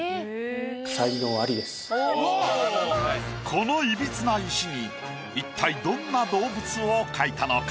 このいびつな石に一体どんな動物を描いたのか？